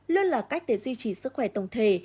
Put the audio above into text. luôn là cách để duy trì sức khỏe tổng thể